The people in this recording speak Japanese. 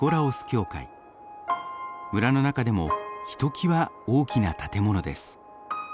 村の中でもひときわ大きな建物です。